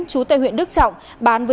chú tại huyện đức trọng